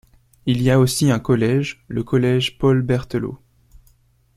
Il y a aussi un collège, le collège Paule-Berthelot.